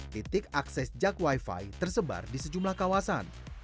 titik akses jak wifi tersebar di sejumlah kawasan